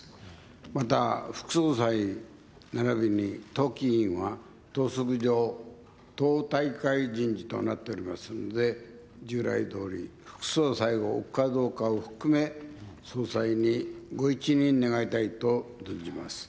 また、副総裁ならびに党紀委員は、党則上、党大会人事となっておりますんで、従来どおり副総裁を置くかどうかを含め、総裁にご一任願いたいと存じます。